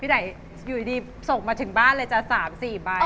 ไหนอยู่ดีส่งมาถึงบ้านเลยจ้ะ๓๔ใบ